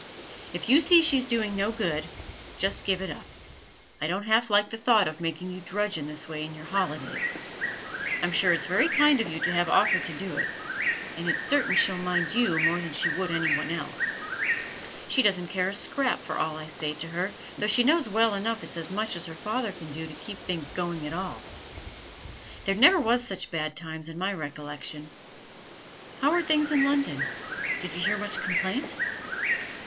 'If you see she's doing no good, just give it up. I don't half like the thought of making you drudge in this way in your holidays. I'm sure it's very kind of you to have offered to do it, and it's certain she'll mind you more than she would any one else. She doesn't care a scrap for all I say to her, though she knows well enough it's as much as her father can do to keep things going at all. There never was such bad times in my recollection! How are things in London? Did you hear much complaint?'